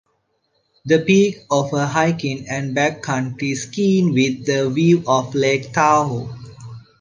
The peak offers hiking and backcountry skiing with the view of Lake Tahoe.